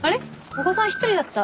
お子さん１人だった？